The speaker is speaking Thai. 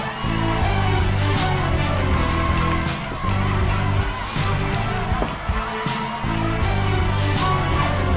เร็วลูกเร็ว